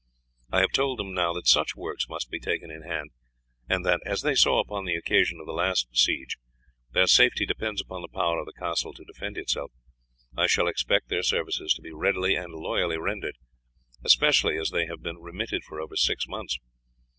I have told them now that such works must be taken in hand, and that, as they saw upon the occasion of the last siege, their safety depends upon the power of the castle to defend itself, I shall expect their services to be readily and loyally rendered, especially as they have been remitted for over six months.